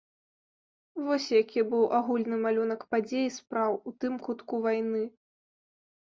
Вось які быў агульны малюнак падзей і спраў у тым кутку вайны.